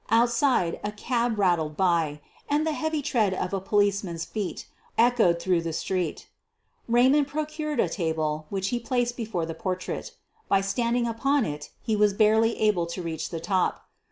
Outside a cab rattled by and the heavy tread of a policeman's feet echoed through the street. Raymond procured a table, which he placed before the portrait. By star ding upon it he was barely able to reach the top.